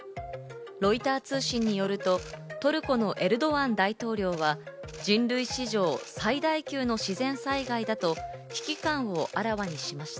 ロイター通信によると、トルコのエルドアン大統領は人類史上最大級の自然災害だと、危機感をあらわにしました。